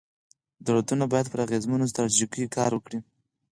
دولتونه باید پر اغېزمنو ستراتیژیو کار وکړي.